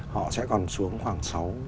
họ sẽ còn xuống khoảng